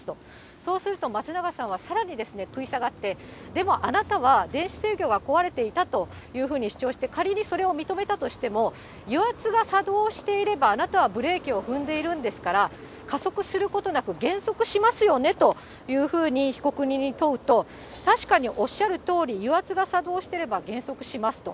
そうすると、松永さんはさらにですね、食い下がって、でもあなたは電子制御が壊れていたというふうに主張して、仮にそれを認めたとしても、油圧が作動していれば、あなたはブレーキを踏んでいるんですから、加速することなく減速しますよねというふうに被告人に問うと、確かにおっしゃるとおり、油圧が作動していれば減速しますと。